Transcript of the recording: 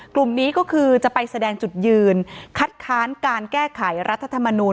กลุ่มนี้ก็คือจะไปแสดงจุดยืนคัดค้านการแก้ไขรัฐธรรมนูล